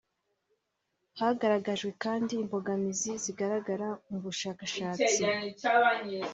Hagaragajwe kandi imbogamizi zigaragara mu bushakashatsi